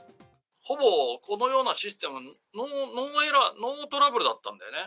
ほぼこのようなシステム、ノーエラー・ノートラブルだったんだよね。